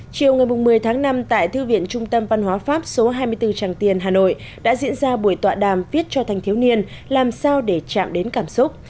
chiều ngày một mươi tháng năm tại thư viện trung tâm văn hóa pháp số hai mươi bốn tràng tiền hà nội đã diễn ra buổi tọa đàm viết cho thanh thiếu niên làm sao để chạm đến cảm xúc